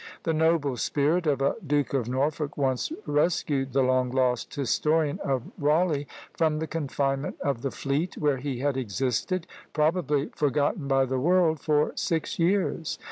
The noble spirit of a Duke of Norfolk once rescued the long lost historian of Rawleigh from the confinement of the Fleet, where he had existed, probably forgotten by the world, for six years.